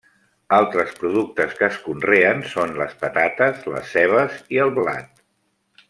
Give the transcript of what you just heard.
Altres productes que es conreen són les patates, les cebes i el blat.